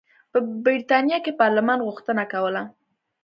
په برېټانیا کې پارلمان غوښتنه کوله.